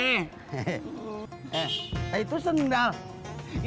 baik banget pak richard baik banget pak baik banget pak going back to the dragon park